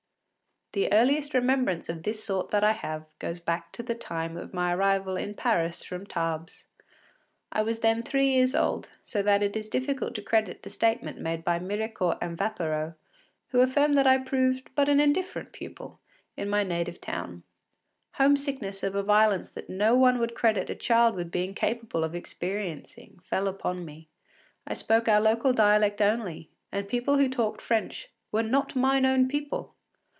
The earliest remembrance of this sort that I have goes back to the time of my arrival in Paris from Tarbes. I was then three years old, so that it is difficult to credit the statement made by Mirecourt and Vapereau, who affirm that I “proved but an indifferent pupil” in my native town. Home sickness of a violence that no one would credit a child with being capable of experiencing, fell upon me. I spoke our local dialect only, and people who talked French “were not mine own people.